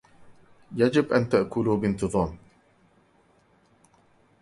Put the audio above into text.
يجب أن تأكلوا بانتظام